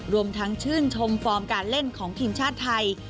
รวมทั้งชื่นชมฟอร์มการเล่นของทีมชาติไทย